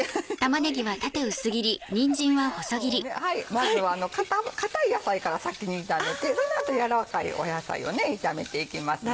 まずは硬い野菜から先に炒めてその後柔らかい野菜を炒めていきますので。